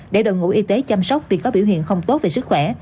để đồng ngũ y tế chăm sóc vì có biểu hiện không tốt về sức khỏe